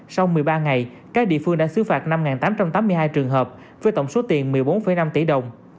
sau một mươi ba ngày các địa phương đã xứ phạt năm tám trăm tám mươi hai trường hợp với tổng số tiền một mươi bốn năm tỷ đồng